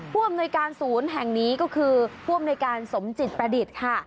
ผู้อำนวยการศูนย์แห่งนี้ก็คือผู้อำนวยการสมจิตประดิษฐ์ค่ะ